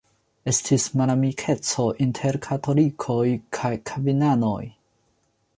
Estis malamikeco inter katolikoj kaj kalvinanoj.